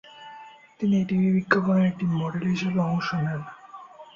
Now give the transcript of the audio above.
তিনি টিভি বিজ্ঞাপন একটি মডেল হিসাবে অংশ নেন।